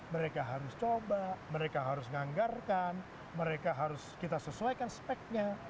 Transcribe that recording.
mereka harus coba mereka harus menganggarkan mereka harus kita sesuaikan speknya